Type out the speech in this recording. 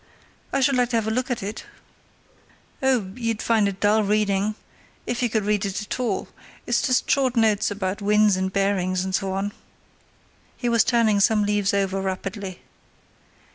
"I should like to have a look at it." "Oh! you'd find it dull reading—if you could read it at all; it's just short notes about winds and bearings, and so on." He was turning some leaves over rapidly.